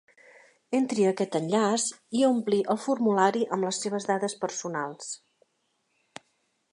Entri a aquest enllaç i ompli el formulari amb les seves dades personals.